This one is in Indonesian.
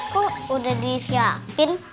kok udah disiapin